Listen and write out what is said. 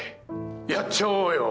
やっちゃおうよ。